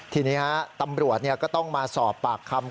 ทีนี้ตำรวจก็ต้องมาสอบปากคำ